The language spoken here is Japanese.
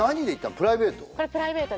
プライベート？